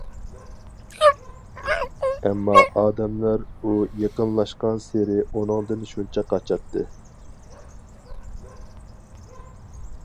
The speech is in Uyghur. ئەمما ئادەملەر ئۇ يېقىنلاشقانسېرى ئۇنىڭدىن شۇنچە قاچاتتى.